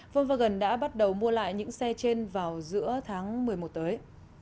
volvergen đã bắt đầu mua lại những xe trên vào giữa tháng một mươi một tới